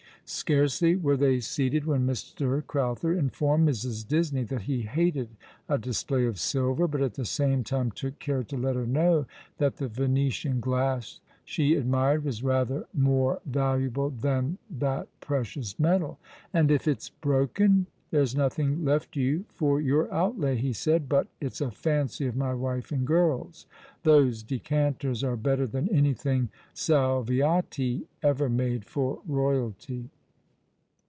Scarcely were they seated, when Mr. Crowther informed Mrs. Disney that he hated a display of silver, but at the same time took care to let her kjiow that the Venetian glass she admired was rather moie ^^ Lies Nothing buried long ago?'' 121 valuable than that precious metal. "And if it's broken, there's nothing left you for your outlay," he said ;" but it's a fancy of my wife and girls. Those decanters are better than anything Salviati ever made for Eoyalty."